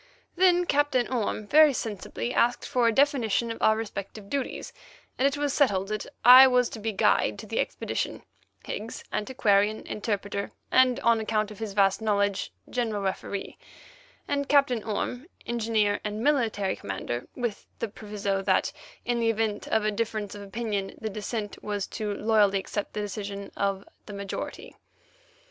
Then Captain Orme very sensibly asked for a definition of our respective duties, and it was settled that I was to be guide to the expedition; Higgs, antiquarian, interpreter, and, on account of his vast knowledge, general referee; and Captain Orme, engineer and military commander, with the proviso that, in the event of a difference of opinion, the dissentient was to loyally accept the decision of the majority.